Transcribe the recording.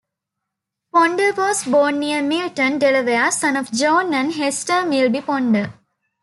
Ponder was born near Milton, Delaware, son of John and Hester Milby Ponder.